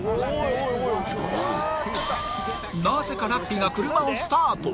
なぜかラッピが車をスタート。